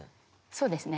そうですね